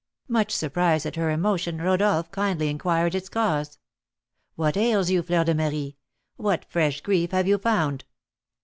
Much surprised at her emotion, Rodolph kindly inquired its cause. "What ails you, Fleur de Marie? What fresh grief have you found?"